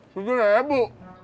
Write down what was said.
sudah ya bu